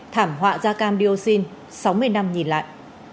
thảm họa da cam dioxin sáu mươi năm nhìn lại